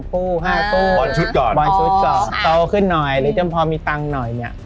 ๓คู่๕คู่บอนชุดก่อนโตขึ้นหน่อยหรือเจ้าพ่อมีตังค์หน่อยนี่